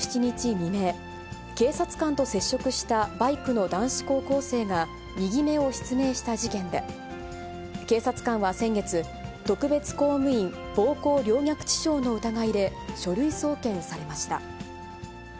未明、警察官と接触したバイクの男子高校生が、右目を失明した事件で、警察官は先月、特別公務員暴行陵虐致傷の疑いで書類送検されました。